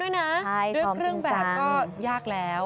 ใช่ซ่อมจริงจังดึกเรื่องแบบก็ยากแล้ว